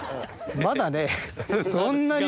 まだね。